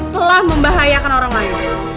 telah membahayakan orang lain